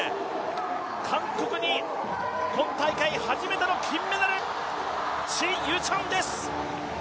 韓国に今大会初めての金メダル、チ・ユチャンです。